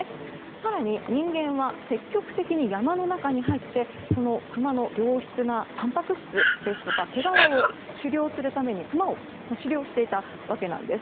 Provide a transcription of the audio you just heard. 更に人間は積極的に山の中に入ってクマの良質なたんぱく質ですとか毛皮を獲得するためにクマを狩猟していたわけなんです。